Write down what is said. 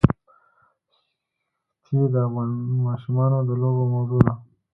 ښتې د افغان ماشومانو د لوبو موضوع ده.